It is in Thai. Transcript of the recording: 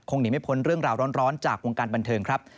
หนีไม่พ้นเรื่องราวร้อนจากวงการบันเทิงครับ